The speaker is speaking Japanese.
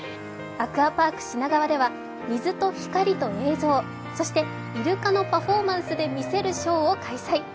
アクアパーク品川では、水と光と映像、そしてイルカのパフォーマンスでみせるショーを開催。